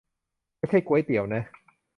ไม่ใช่ก๋วยเตี๋ยวนะ